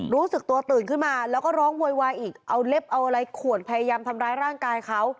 รู้สึกตัวตื่นขึ้นมาแล้วก็ร้องโวยวายอีกเอาเล็บเอาอะไรขวดพยายามทำร้ายร่างกายเขา